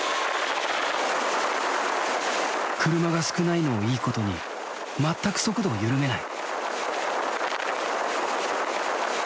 車が少ないのをいいことに全く速度を緩めない。